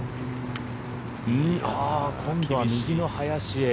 今度は右の林へ。